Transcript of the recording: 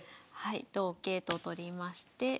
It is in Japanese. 同桂と取りまして